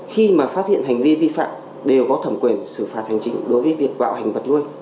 khi mà phát hiện hành vi vi phạm đều có thẩm quyền xử phạt hành chính đối với việc bạo hành vật nuôi